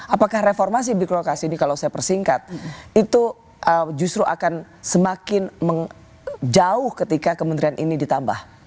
apakah reformasi birokrasi ini kalau saya persingkat itu justru akan semakin jauh ketika kementerian ini ditambah